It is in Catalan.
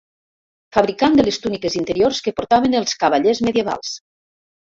Fabricant de les túniques interiors que portaven els cavallers medievals.